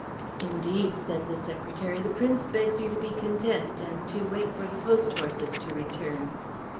"Indeed," said the secretary, "the Prince begs you to be content and to wait for the post horses to return."